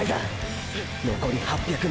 残り８００ｍ